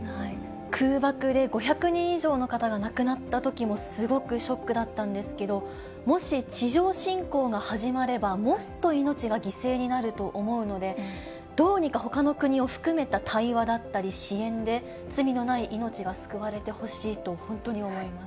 空爆で５００人以上の方が亡くなったときも、すごくショックだったんですけど、もし、地上侵攻が始まればもっと命が犠牲になると思うので、どうにかほかの国を含めた対話だったり、支援で、罪のない命が救われてほしいと本当に思います。